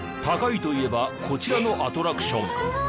高いといえばこちらのアトラクション。